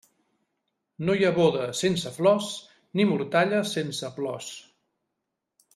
No hi ha boda sense flors ni mortalla sense plors.